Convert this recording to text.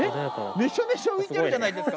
めちゃめちゃ浮いてるじゃないですか。